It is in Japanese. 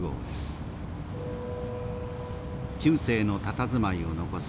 中世のたたずまいを残す